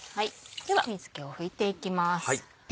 では水気を拭いていきます。